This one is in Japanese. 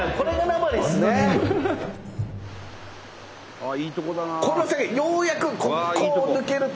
ああいいとこだな！